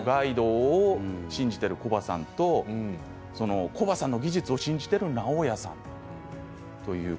ナオヤさんのガイドを信じているコバさんとコバさんの技術を信じているナオヤさん。